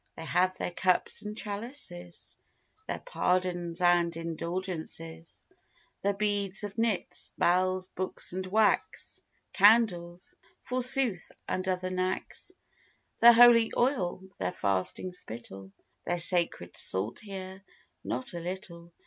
They have their cups and chalices, Their pardons and indulgences, Their beads of nits, bells, books, and wax Candles, forsooth, and other knacks; Their holy oil, their fasting spittle, Their sacred salt here, not a little.